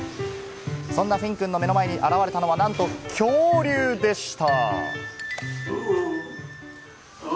そんなフィンくんの目の前に現れたのはなんと恐竜でした。